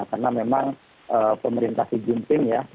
karena memang pemerintah xi jinping ya